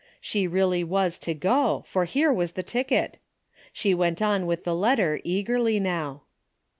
She really was to go, for here was the ticket. She went on with the letter eagerly now.